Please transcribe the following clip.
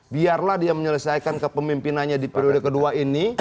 biarlah dia menyelesaikan kepemimpinannya di periode kedua ini